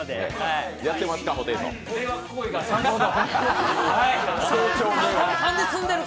迷惑行為が３点ほど。